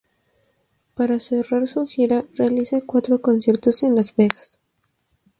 Para cerrar su gira realiza cuatro conciertos en Las Vegas.